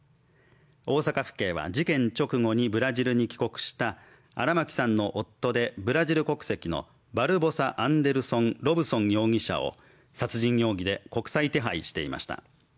大阪府警は事件直後にブラジルに帰国した荒牧さんの夫でブラジル国籍のバルボサ・アンデルソン・ロブソン容疑者を殺人容疑で国際手配していました。